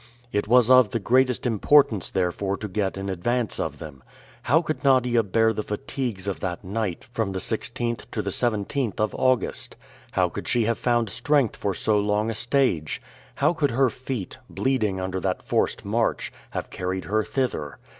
It was of the greatest importance therefore to get in advance of them. How could Nadia bear the fatigues of that night, from the 16th to the 17th of August? How could she have found strength for so long a stage? How could her feet, bleeding under that forced march, have carried her thither?